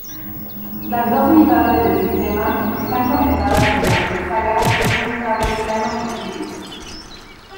Las dos mitades del sistema están conectadas mediante bisagras y un cable plano flexible.